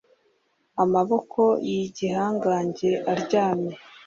Amaboko yigihangange aryamye